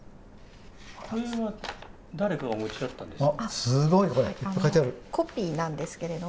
これは誰かがお持ちだったんですか。